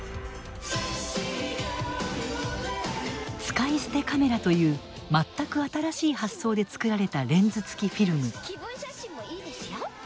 使い捨てカメラという全く新しい発想で作られたレンズ付きフィルム。